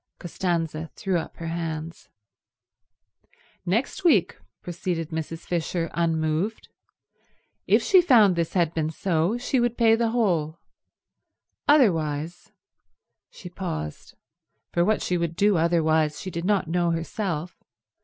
Costanza threw up her hands. Next week, proceeded Mrs. Fisher unmoved, if she found this had been so she would pay the whole. Otherwise—she paused; for what she would do otherwise she did not know herself.